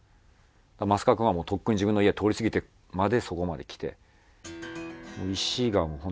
増川君はもうとっくに自分の家は通り過ぎてまでそこまで来て。